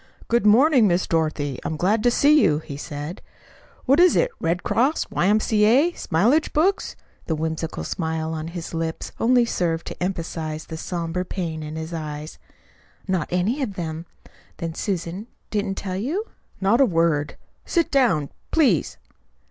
"Good morning, Miss Dorothy. I'm glad to see you," he said. "What is it, Red Cross, Y.M.C.A., Smileage Books?" The whimsical smile on his lips only served to emphasize the somber pain in his eyes. "Not any of them. Then Susan didn't tell you?" "Not a word. Sit down, please."